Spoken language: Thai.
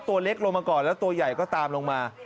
ตัวเล็กลงมาก่อนแล้วตัวใหญ่ก็ตามลงมา